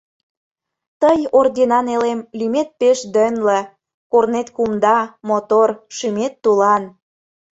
Тый, орденан элем, лӱмет пеш дӓнле, Корнет кумда, мотор, шӱмет тулан.